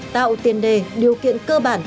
tạo tiền đề điều kiện cơ bản